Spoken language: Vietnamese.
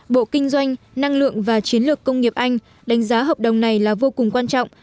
bộ kinh doanh năng lượng và chiến lược công nghiệp anh đánh giá hợp đồng này là vô cùng quan trọng